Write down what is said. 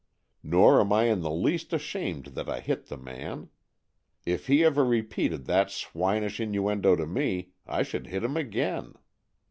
Nor am I in the least ashamed that I hit the man. If he ever repeated that swinish innuendo to me, I should hit him again.